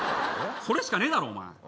それしかねえだろお前。